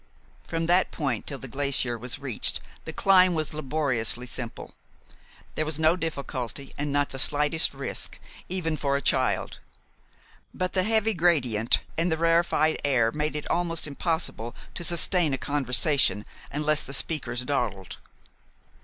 From that point till the glacier was reached the climb was laboriously simple. There was no difficulty and not the slightest risk, even for a child; but the heavy gradient and the rarefied air made it almost impossible to sustain a conversation unless the speakers dawdled.